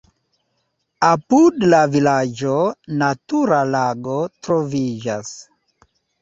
Apud la vilaĝo natura lago troviĝas.